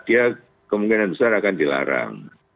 dia kemungkinan besar akan dilarang